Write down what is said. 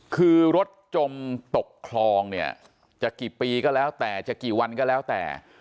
คือรถจมตกคลองเนี่ยจะกี่ปีก็แล้วแต่จะกี่วันก็แล้วแต่